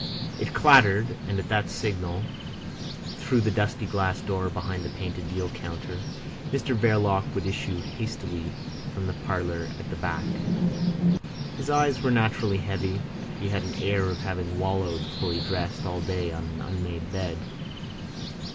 It clattered; and at that signal, through the dusty glass door behind the painted deal counter, Mr Verloc would issue hastily from the parlour at the back. His eyes were naturally heavy; he had an air of having wallowed, fully dressed, all day on an unmade bed.